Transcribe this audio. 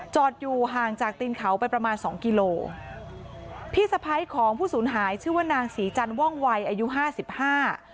อยู่ห่างจากตีนเขาไปประมาณสองกิโลพี่สะพ้ายของผู้สูญหายชื่อว่านางศรีจันทว่องวัยอายุห้าสิบห้า